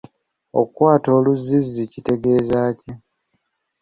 Okukwata oluzzizzi kitegeeza ki?